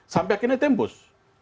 sampai akhirnya tembus